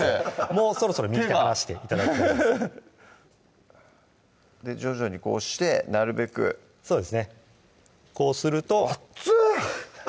もうそろそろ右手離して頂いて大丈夫です徐々にこうしてなるべくそうですねこうするとあっつ！